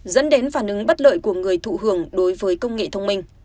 dẫn đến phản ứng bất lợi của người thụ hưởng đối với công nghệ thông minh